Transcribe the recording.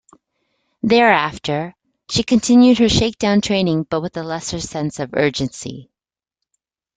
Thereafter, she continued her shakedown training but with a lesser sense of urgency.